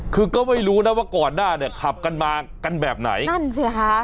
คือก็ไม่รู้นะว่าก่อนหน้าเนี่ยขับกันมากันแบบไหนนั่นสิค่ะ